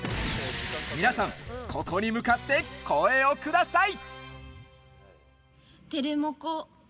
みなさん、ここに向かって声をください。